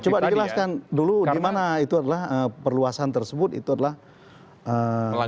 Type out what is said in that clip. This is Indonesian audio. coba di jelaskan dulu gimana itu adalah perluasan tersebut itu adalah menjadi persoalan